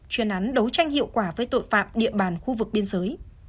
chuyên án đấu tranh hiệu quả với tội phạm địa bàn khu vực biên giới